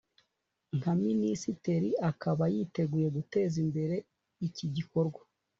nka minisiteri ikaba yiteguye guteza imbere icyi gikorwa